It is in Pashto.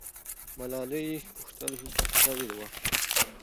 ملالۍ پوښتل سوې وه.